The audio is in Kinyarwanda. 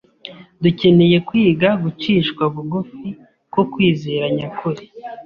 Dukeneye kwiga gucishwa bugufi ko kwizera nyakuri. .